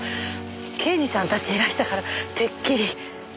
刑事さんたちいらしたからてっきり。